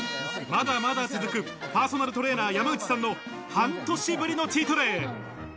まだまだ続くパーソナルトレーナー・山内さんの半年ぶりのチートデイ。